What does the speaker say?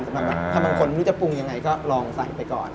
สำหรับบางคนจะปรุงอย่างไรก็ลองใส่ไปก่อน